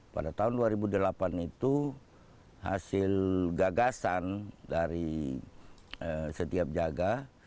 pada tahun dua ribu delapan itu hasil gagasan dari setiap jaga